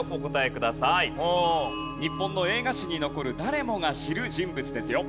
日本の映画史に残る誰もが知る人物ですよ。